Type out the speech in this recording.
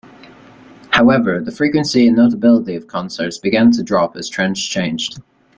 However, the frequency and notability of concerts began to drop as trends changed.